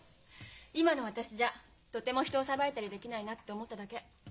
今の私じゃとても人を裁いたりできないなって思っただけ。